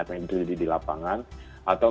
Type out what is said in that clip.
atau yang dididik di lapangan atau